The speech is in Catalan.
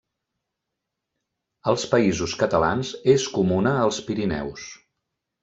Als Països Catalans és comuna als Pirineus.